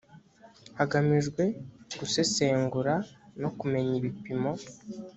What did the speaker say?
hagamijwe gusesengura no kumenya ibipimo.